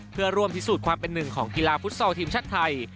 เพื่อร่วมพิสูจน์ความเป็นหนึ่งของกีฬาฟุตซอลทีมชาติไทย